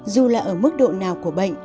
dù là ở mức độ nào của bệnh